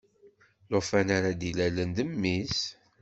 Lufan-a ara d-ilalen d mmi-s.